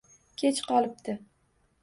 Kech qolibdi.